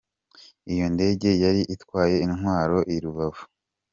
Iyo ndege yari itwaye intwaro i Bukavu.